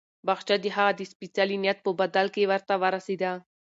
باغچه د هغه د سپېڅلي نیت په بدل کې ورته ورسېده.